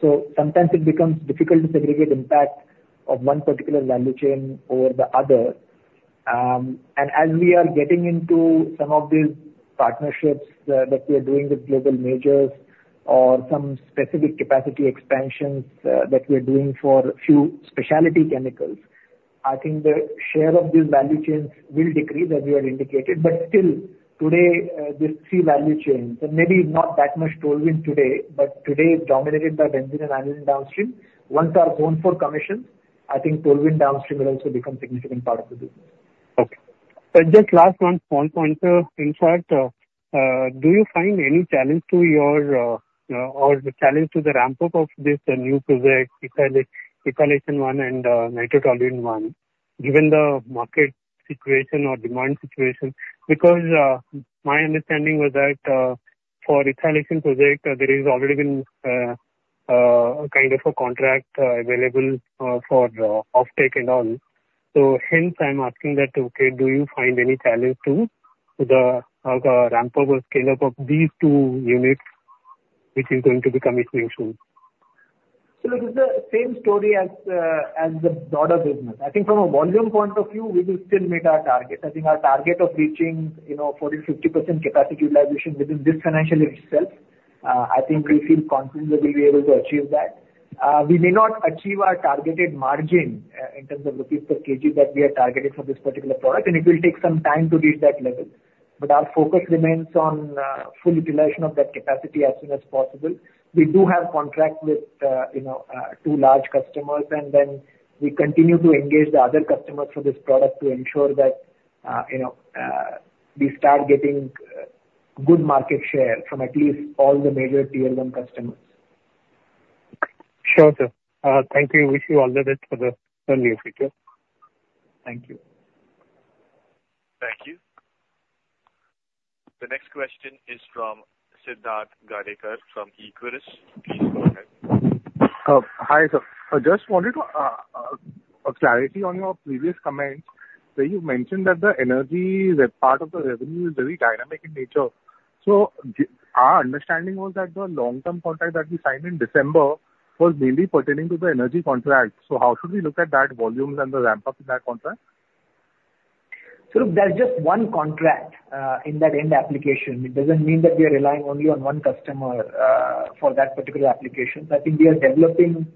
so sometimes it becomes difficult to segregate impact of one particular value chain over the other. And as we are getting into some of these partnerships that we are doing with global majors or some specific capacity expansions that we are doing for a few specialty chemicals, I think the share of these value chains will decrease, as we have indicated. But still, today, these three value chains, so maybe not that much toluene today, but today is dominated by benzene and aniline downstream. Once our Zone 4 commissions, I think toluene downstream will also become significant part of the business. Okay. So just last one small point, in fact, do you find any challenge to your, or the challenge to the ramp-up of this new project, ethylation one and, nitro toluene one, given the market situation or demand situation? Because, my understanding was that, for ethylation project, there is already been, kind of a contract, available, for, offtake and all. So hence I'm asking that, okay, do you find any challenge to the, the ramp-up or scale-up of these two units, which is going to be commissioning soon? ...So it is the same story as the, as the broader business. I think from a volume point of view, we will still meet our target. I think our target of reaching, you know, 40%-50% capacity utilization within this financial year itself, I think we feel confident that we'll be able to achieve that. We may not achieve our targeted margin, in terms of INR per kg that we are targeting for this particular product, and it will take some time to reach that level. But our focus remains on, full utilization of that capacity as soon as possible. We do have contract with, you know, two large customers, and then we continue to engage the other customers for this product to ensure that, you know, we start getting good market share from at least all the major tier one customers. Sure, sir. Thank you. Wish you all the best for the early future. Thank you. Thank you. The next question is from Siddharth Gadekar from Equirus. Please go ahead. Hi, sir. I just wanted clarity on your previous comments, where you mentioned that the energy, that part of the revenue is very dynamic in nature. Our understanding was that the long-term contract that we signed in December was mainly pertaining to the energy contract, so how should we look at that volumes and the ramp-up in that contract? So look, there's just one contract in that end application. It doesn't mean that we are relying only on one customer for that particular application. I think we are developing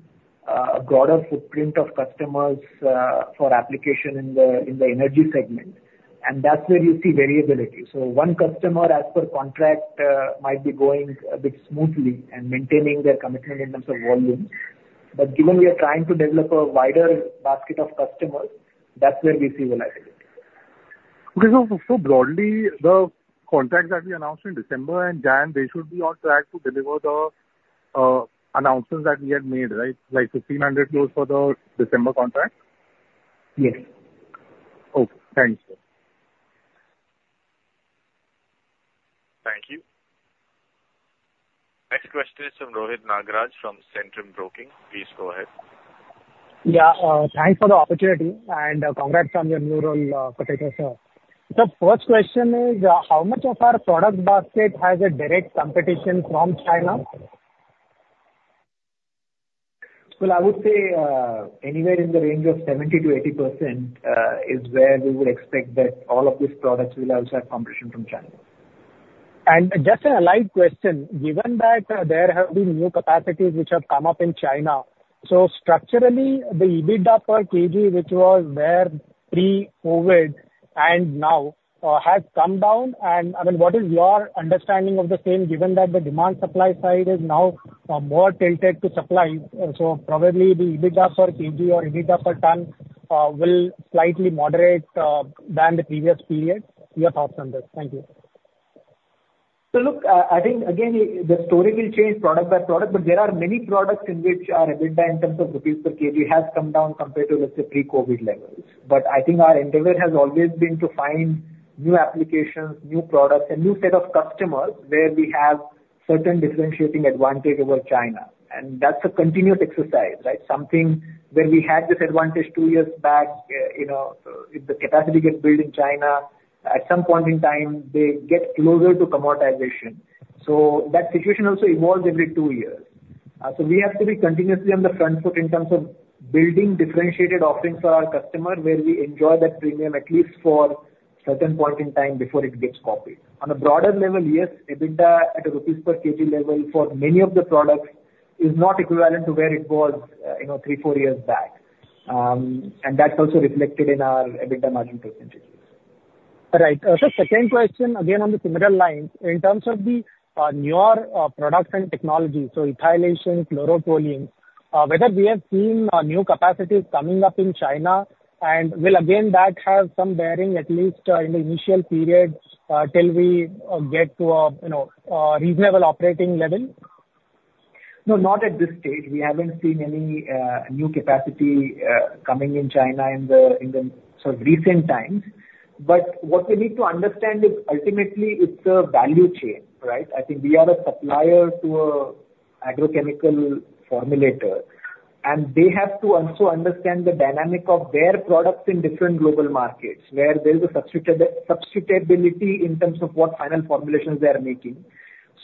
a broader footprint of customers for application in the energy segment, and that's where you see variability. So one customer, as per contract, might be going a bit smoothly and maintaining their commitment in terms of volumes. But given we are trying to develop a wider basket of customers, that's where we see volatility. Okay. So, so broadly, the contracts that we announced in December and January, they should be on track to deliver the announcements that we had made, right? Like 1,500 loads for the December contract. Yes. Okay. Thanks, sir. Thank you. Next question is from Rohit Nagaraj, from Centrum Broking. Please go ahead. Yeah, thanks for the opportunity, and, congrats on your new role, Kotecha, sir. The first question is, how much of our product basket has a direct competition from China? Well, I would say, anywhere in the range of 70%-80% is where we would expect that all of these products will also have competition from China. Just an allied question, given that there have been new capacities which have come up in China, so structurally, the EBITDA per kg, which was there pre-COVID and now, has come down, and, I mean, what is your understanding of the same, given that the demand supply side is now, more tilted to supply? So probably the EBITDA per kg or EBITDA per ton, will slightly moderate, than the previous period. Your thoughts on this? Thank you. So look, I think again, the story will change product by product, but there are many products in which our EBITDA in terms of rupees per kg has come down compared to, let's say, pre-COVID levels. But I think our endeavor has always been to find new applications, new products, and new set of customers, where we have certain differentiating advantage over China, and that's a continuous exercise, right? Something where we had this advantage two years back, you know, if the capacity gets built in China, at some point in time, they get closer to commoditization. So that situation also evolves every two years. So we have to be continuously on the front foot in terms of building differentiated offerings for our customers, where we enjoy that premium, at least for certain point in time, before it gets copied. On a broader level, yes, EBITDA at a rupees per kg level for many of the products is not equivalent to where it was, you know, 3, 4 years back. And that's also reflected in our EBITDA margin percentages. Right. So second question, again, on the similar line. In terms of the newer products and technologies, so ethylation, chlorotoluene, whether we have seen new capacities coming up in China, and will again, that have some bearing, at least, in the initial period, till we get to a, you know, a reasonable operating level? No, not at this stage. We haven't seen any new capacity coming in China in the recent times. But what we need to understand is ultimately it's a value chain, right? I think we are a supplier to an agrochemical formulator, and they have to also understand the dynamic of their products in different global markets, where there is a substitutability in terms of what final formulations they are making.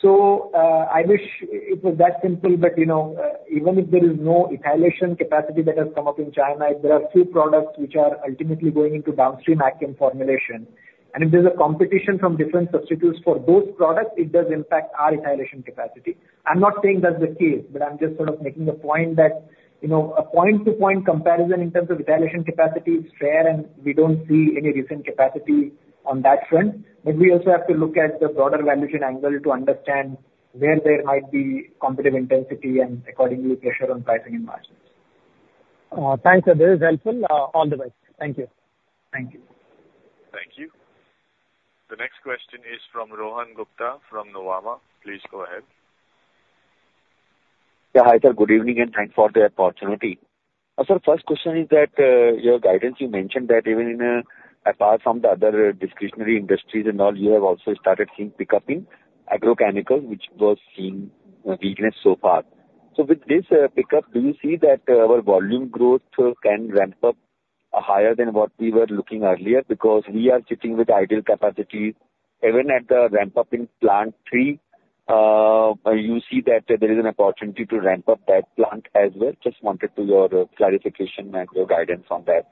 So, I wish it was that simple, but, you know, even if there is no ethylation capacity that has come up in China, there are few products which are ultimately going into downstream aromatic formulation. And if there's a competition from different substitutes for those products, it does impact our ethylation capacity. I'm not saying that's the case, but I'm just sort of making a point that, you know, a point-to-point comparison in terms of ethylation capacity is fair, and we don't see any recent capacity on that front. But we also have to look at the broader value chain angle to understand where there might be competitive intensity and accordingly pressure on pricing and margins. Thanks, sir. This is helpful. All the best. Thank you. Thank you. Thank you. The next question is from Rohan Gupta, from Nuvama. Please go ahead. Yeah. Hi, sir, good evening, and thanks for the opportunity. Sir, first question is that, your guidance, you mentioned that even in, apart from the other, discretionary industries and all, you have also started seeing pick-up in agrochemicals, which was seeing, weakness so far. So with this, pick-up, do you see that, our volume growth, can ramp up? Higher than what we were looking earlier, because we are sitting with idle capacity even at the ramp-up in plant three. You see that there is an opportunity to ramp up that plant as well. Just wanted your clarification and your guidance on that.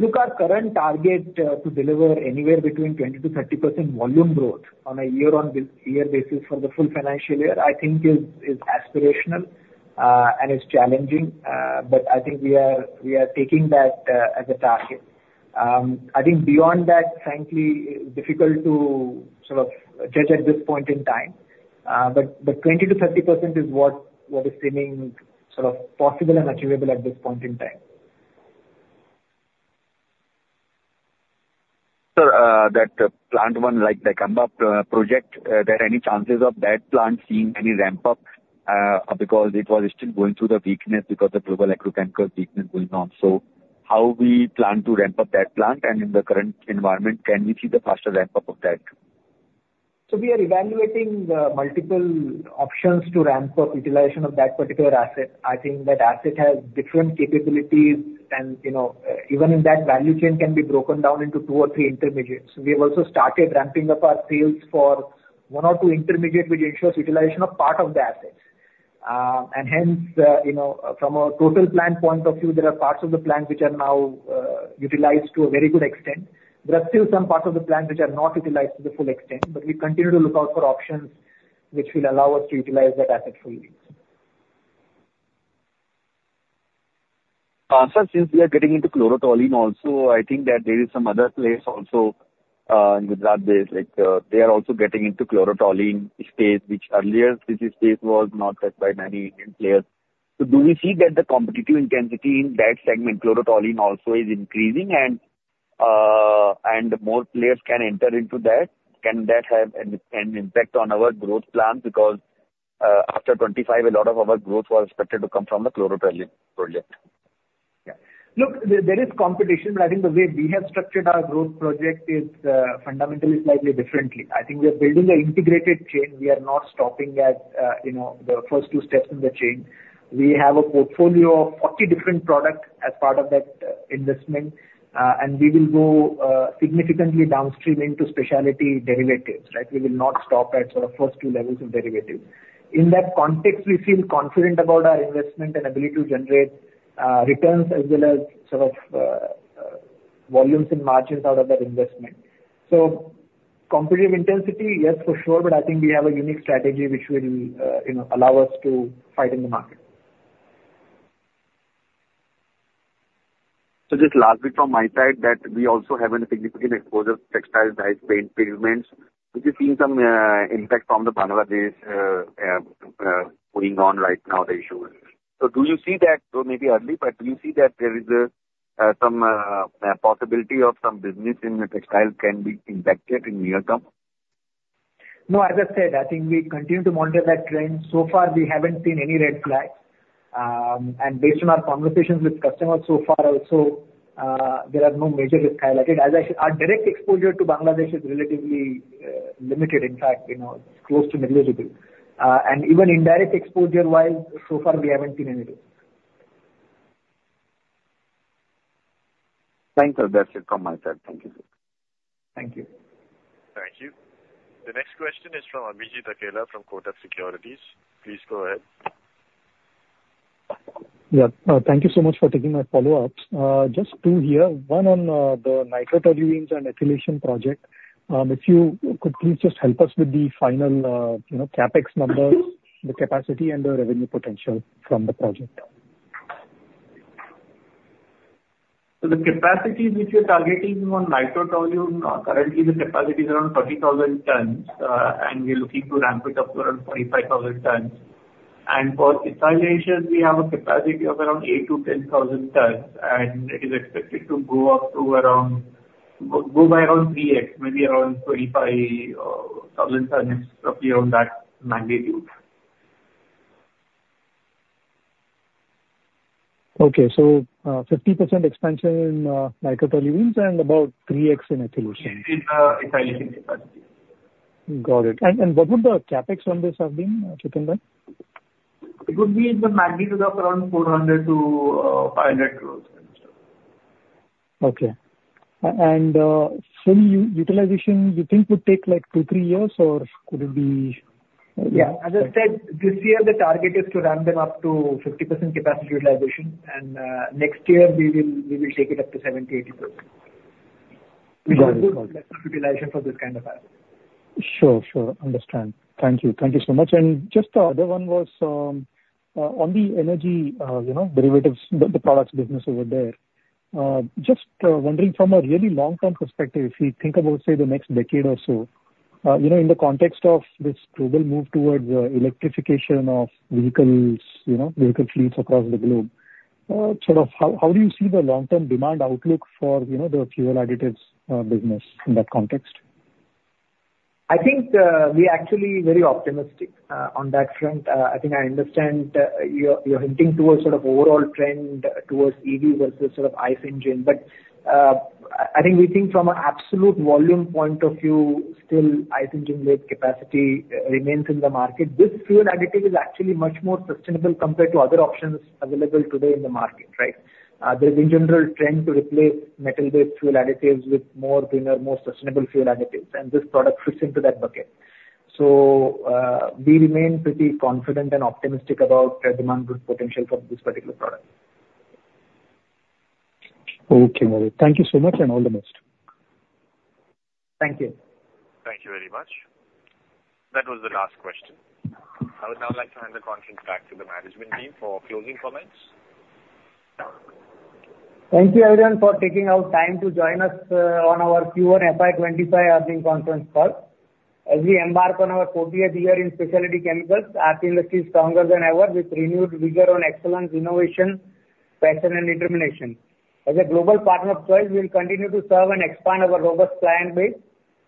Look, our current target to deliver anywhere between 20%-30% volume growth on a year-on-year basis for the full financial year, I think is aspirational and is challenging. But I think we are taking that as a target. I think beyond that, frankly, difficult to sort of judge at this point in time. But 20%-30% is what is seeming sort of possible and achievable at this point in time. So, that plant one, like the Dicamba, project, there any chances of that plant seeing any ramp up, because it was still going through the weakness because the global agrochemical weakness going on. So how we plan to ramp up that plant, and in the current environment, can we see the faster ramp-up of that? So we are evaluating the multiple options to ramp up utilization of that particular asset. I think that asset has different capabilities and, you know, even in that value chain can be broken down into two or three intermediates. We have also started ramping up our sales for one or two intermediate, which ensures utilization of part of the assets. And hence, you know, from a total plant point of view, there are parts of the plant which are now utilized to a very good extent. There are still some parts of the plant which are not utilized to the full extent, but we continue to look out for options which will allow us to utilize that asset fully. So since we are getting into chlorotoluene also, I think that there is some other place also in Gujarat-based, like, they are also getting into chlorotoluene space, which earlier this space was not touched by many Indian players. So do we see that the competitive intensity in that segment, chlorotoluene also, is increasing and, and more players can enter into that? Can that have an impact on our growth plan? Because, after 25, a lot of our growth was expected to come from the chlorotoluene project. Yeah. Look, there is competition, but I think the way we have structured our growth project is fundamentally slightly differently. I think we are building an integrated chain. We are not stopping at, you know, the first two steps in the chain. We have a portfolio of 40 different products as part of that investment. And we will go significantly downstream into specialty derivatives, right? We will not stop at sort of first two levels of derivatives. In that context, we feel confident about our investment and ability to generate returns as well as sort of volumes and margins out of that investment. So competitive intensity, yes, for sure, but I think we have a unique strategy which will you know allow us to fight in the market. So just last week from my side, that we also have a significant exposure to textiles, dyes, paints, pigments, which has seen some impact from the Bangladesh going on right now, the issues. So do you see that, though maybe early, but do you see that there is some possibility of some business in the textile can be impacted in near term? No, as I said, I think we continue to monitor that trend. So far, we haven't seen any red flags. And based on our conversations with customers so far also, there are no major risks highlighted. As I said, our direct exposure to Bangladesh is relatively limited. In fact, you know, it's close to negligible. And even indirect exposure-wise, so far we haven't seen anything. Thanks, sir. That's it from my side. Thank you, sir. Thank you. Thank you. The next question is from Abhijit Akella from Kotak Securities. Please go ahead. Yeah, thank you so much for taking my follow-ups. Just two here, one on the Nitro Toluene and ethylation project. If you could please just help us with the final, you know, CapEx numbers, the capacity, and the revenue potential from the project. So the capacity which we're targeting on Nitro Toluene, currently the capacity is around 30,000 tons, and we're looking to ramp it up to around 45,000 tons. And for ethylations, we have a capacity of around 8,000-10,000 tons, and it is expected to go up to around, go by around 3x, maybe around 35,000 tons, roughly around that magnitude. Okay. So, 50% expansion in Nitro Toluenes and about 3x in Ethylation. In ethylation capacity. Got it. And what would the CapEx on this have been, combined? It would be in the magnitude of around 400 crore-500 crore. Okay. And full utilization, you think would take, like, two, three years, or could it be- Yeah, as I said, this year the target is to ramp them up to 50% capacity utilization, and next year we will take it up to 70%-80%. Got it. Which is good utilization for this kind of asset. Sure, sure. Understand. Thank you. Thank you so much. And just the other one was on the energy, you know, derivatives, the products business over there. Just wondering from a really long-term perspective, if we think about, say, the next decade or so, you know, in the context of this global move towards electrification of vehicles, you know, vehicle fleets across the globe, sort of how do you see the long-term demand outlook for, you know, the fuel additives business in that context? I think, we are actually very optimistic, on that front. I think I understand, you're, you're hinting towards sort of overall trend towards EV versus sort of ICE engine. But, I think we think from an absolute volume point of view, still ICE engine with capacity, remains in the market. This fuel additive is actually much more sustainable compared to other options available today in the market, right? There is a general trend to replace metal-based fuel additives with more cleaner, more sustainable fuel additives, and this product fits into that bucket. So, we remain pretty confident and optimistic about the demand growth potential for this particular product. Okay, got it. Thank you so much, and all the best. Thank you. Thank you very much. That was the last question. I would now like to hand the conference back to the management team for closing comments. Thank you, everyone, for taking out time to join us on our Q1 FY25 earnings conference call. As we embark on our fortieth year in specialty chemicals, Aarti Industries is stronger than ever, with renewed vigor on excellence, innovation, passion, and determination. As a global partner of choice, we will continue to serve and expand our robust client base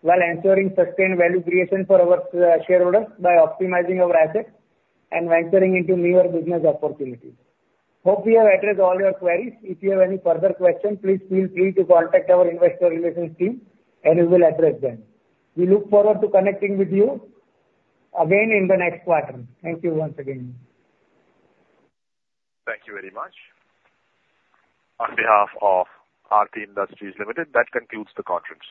while ensuring sustained value creation for our shareholders by optimizing our assets and venturing into newer business opportunities. Hope we have addressed all your queries. If you have any further questions, please feel free to contact our investor relations team, and we will address them. We look forward to connecting with you again in the next quarter. Thank you once again. Thank you very much. On behalf of Aarti Industries Limited, that concludes the conference.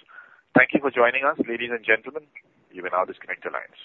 Thank you for joining us, ladies and gentlemen. You may now disconnect your lines.